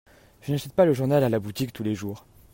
Je n'achète pas le journal à la boutique tous les jours.